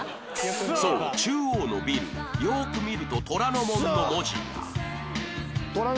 そう中央のビルよく見ると「虎ノ門」の文字が